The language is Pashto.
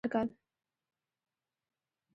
د یوې موخې د ترلاسه کولو لپاره هر کال.